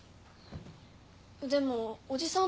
でもおじさん